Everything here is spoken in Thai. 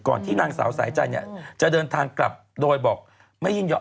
ก่อนที่นางสาวสายใจจะเดินทางกลับโดยบอกไม่ยินยอด